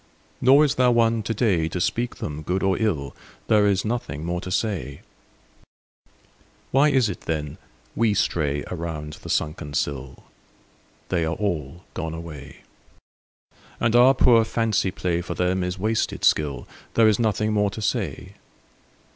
Nor is there one today To speak them good or ill: There is nothing more to say. Why is it then we stray Around the sunken sill? They are all gone away. And our poor fancy play For them is wasted skill: There is nothing more to say.